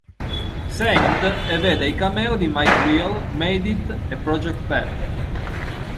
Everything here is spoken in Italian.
Saint e vede i cameo di Mike Will Made It e Project Pat.